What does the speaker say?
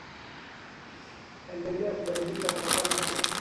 endelea kubadilisha kutokana na